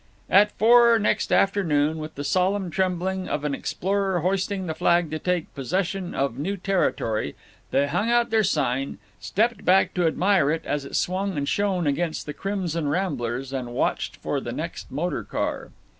At four next afternoon, with the solemn trembling of an explorer hoisting the flag to take possession of new territory, they hung out their sign, stepped back to admire it as it swung and shone against the crimson ramblers, and watched for the next motor car.